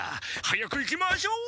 早く行きましょう。